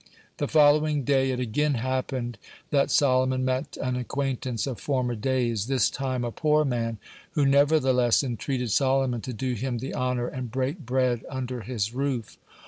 The following day it again happened that Solomon met an acquaintance of former days, this time a poor man, who nevertheless entreated Solomon to do him the honor and break bread under his roof.